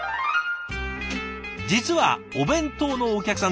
実はお弁当のお客さん